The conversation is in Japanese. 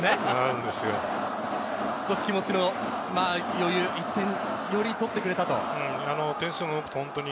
少し気持ちの余裕、１点とってくれたと。